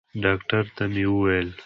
ډاکتر ته مې وويل.